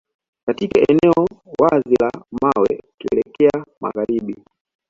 Katika eneo wazi la mawe ukielekea magharibi